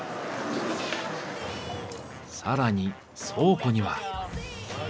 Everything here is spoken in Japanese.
更に倉庫には。